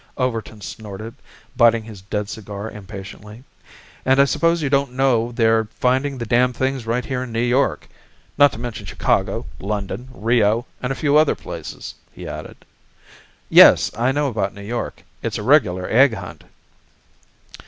Overton snorted, biting his dead cigar impatiently. "And I suppose you don't know they're finding the damn things right here in New York, not to mention Chicago, London, Rio and a few other places," he added. "Yes, I know about New York. It's a regular egg hunt."